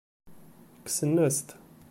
Kksen-as-t.